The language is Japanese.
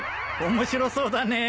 面白そうだね。